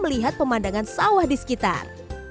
melihat pemandangan sawah di sekitar